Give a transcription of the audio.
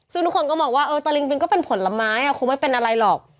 ซึ่งทุกคนก็มองว่าเออตะลิงปิงก็เป็นผลไม้คงไม่เป็นอะไรหรอก